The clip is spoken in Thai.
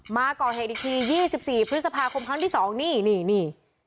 มาก่อเหตุอีกที๒๔พฤษภาคมครั้งที่๒นี่นี่